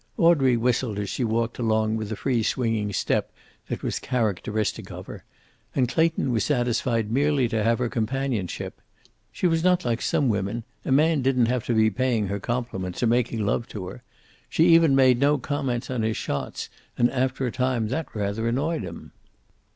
Audrey whistled as she walked along with the free swinging step that was characteristic of her, and Clayton was satisfied merely to have her companionship. She was not like some women; a man didn't have to be paying her compliments or making love to her. She even made no comments on his shots, and after a time that rather annoyed him.